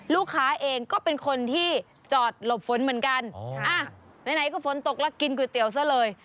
ลูกค้าเองก็เป็นคนที่จอดหลบฝนเหมือนกันไหนก็ฝนตกแล้วกินก๋วยเตี๋ยวซะเลย